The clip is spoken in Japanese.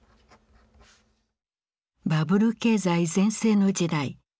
バブル経済全盛の時代。